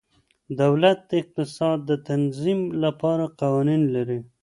دولت د اقتصاد د تنظیم لپاره قوانین لري.